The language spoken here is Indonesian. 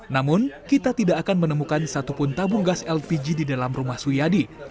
namun kita tidak akan menemukan satupun tabung gas lpg di dalam rumah suyadi